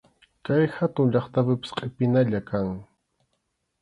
Kay hatun llaqtapipas qʼipinalla kan.